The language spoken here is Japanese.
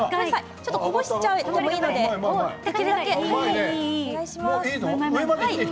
ちょっと、こぼしちゃってもいいので、できるだけ高いところからお願いします。